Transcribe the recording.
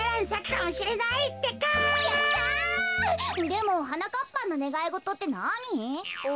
でもはなかっぱんのねがいごとってなに？